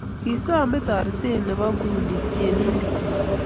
kisame taretet nebo bruni tienitet.